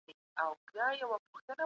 تاسو ولې غواړئ چي ژوندپوهنه زده کړئ؟